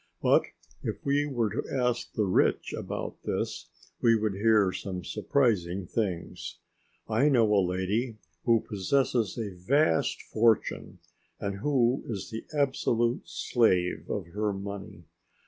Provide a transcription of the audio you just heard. But if we were to ask the rich about this we would hear some surprising things. I know a lady who possesses a vast fortune and who is the absolute slave of her money.